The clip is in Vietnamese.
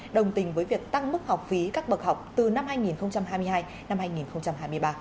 đồng tình với việc tăng mức học phí các bậc học từ năm hai nghìn hai mươi hai năm hai nghìn hai mươi ba